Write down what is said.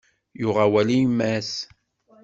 Yuɣ awal i yemma-s.